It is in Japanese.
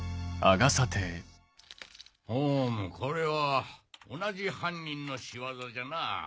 うむこれは同じ犯人の仕業じゃな。